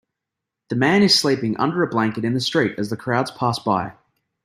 The man is sleeping under a blanket in the street as the crowds pass by.